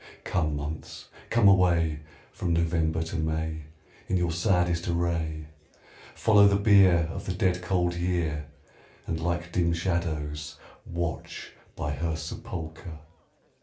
Come, months, come away, From November to May, In your saddest array; Follow the bierOf the dead cold year, And like dim shadows watch by her sepulchre.